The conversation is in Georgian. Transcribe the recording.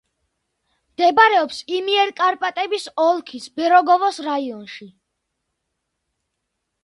მდებარეობს იმიერკარპატების ოლქის ბერეგოვოს რაიონში.